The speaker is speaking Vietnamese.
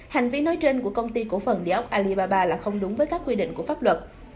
hành vi nói trên của công ty cổ phần địa ốc alibaba là không đúng với các quy định của pháp luật